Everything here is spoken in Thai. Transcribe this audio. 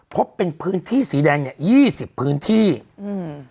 พบเป็นพื้นที่สีแดงเนี้ยยี่สิบพื้นที่อืม